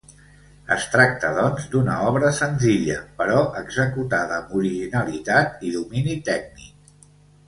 Es tracta, doncs, d'una obra senzilla, però executada amb originalitat i domini tècnic.